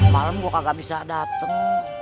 malem gue kagak bisa dateng